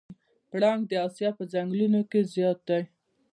پړانګ د اسیا په ځنګلونو کې زیات دی.